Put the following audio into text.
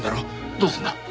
どうすんだ？